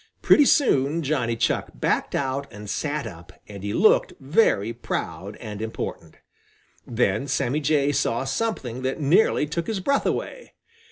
Pretty soon Johnny Chuck backed out and sat up, and he looked very proud and important. Then Sammy Jay saw something that nearly took his breath away.